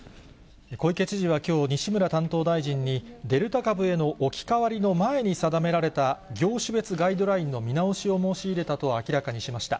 小池知事はきょう、西村担当大臣に、デルタ株への置き換わりの前に定められた業種別ガイドラインの見直しを申し入れたと明らかにしました。